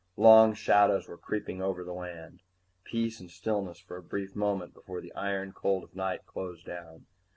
Long shadows were creeping over the land, peace and stillness for a brief moment before the iron cold of night closed down.